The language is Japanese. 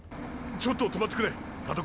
ちょっと止まってくれ田所！